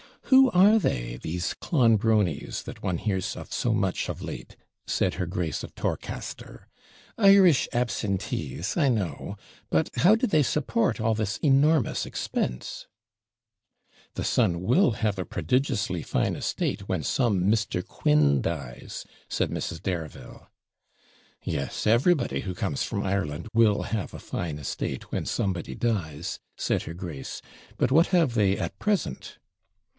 'Who are they? these Clonbronies, that one hears of so much of late' said her Grace of Torcaster. 'Irish absentees I know. But how do they support all this enormous expense?' 'The son WILL have a prodigiously fine estate when some Mr. Quin dies,' said Mrs. Dareville. 'Yes, everybody who comes from Ireland WILL have a fine estate when somebody dies,' said her grace. 'But what have they at present?'